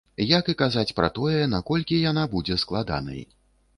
Як і казаць пра тое, наколькі яна будзе складанай.